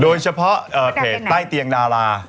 โดยเฉพาะเพจใต้เตียงดารา